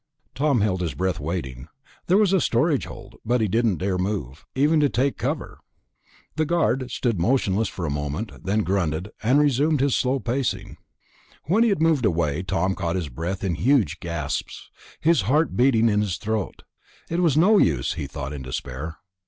Tom held his breath, waiting. This was a storage hold, but he didn't dare to move, even to take cover. The guard stood motionless for a moment, then grunted, and resumed his slow pacing. When he had moved away Tom caught his breath in huge gasps, his heart beating in his throat. It was no use, he thought in despair.